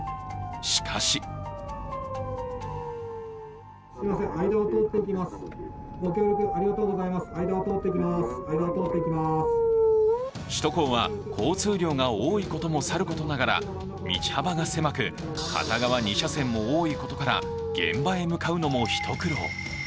しかし首都高は交通量が多いこともさることながら道幅が狭く、片側２車線も多いことから現場へ向かうのも一苦労。